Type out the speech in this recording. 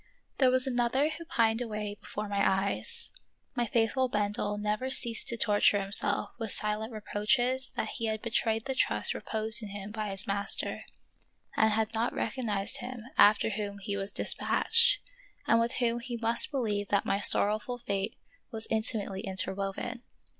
There was another who pined away before my eyes ; my faithful Bendel never ceased to torture himself with silent reproaches that he had be trayed the trust reposed in him by his master, and had not recognized him after whom he was of Peter Schlemihl, 27 despatched, and with whom he must believe that my sorrowful fate was intimately interwoven.